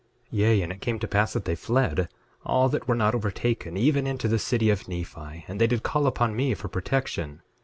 9:15 Yea, and it came to pass that they fled, all that were not overtaken, even into the city of Nephi, and did call upon me for protection.